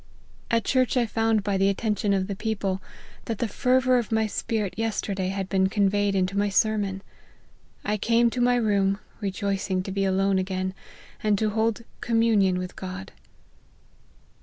At church I found by the attention of the people, that the fervour of my spirit yesterday had been conveyed into my sermon. I came to my room, rejoicing to be alone again, and to hold communion with God."